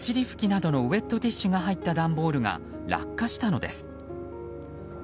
拭きなどのウェットティッシュが入った段ボール箱が落下したのです。